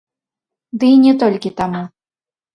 Дый не толькі таму!